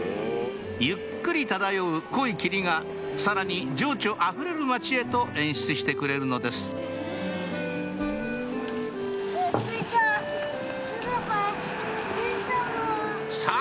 ゆっくり漂う濃い霧がさらに情緒あふれる町へと演出してくれるのですさぁ